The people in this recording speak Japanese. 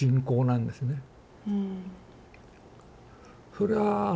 そりゃあ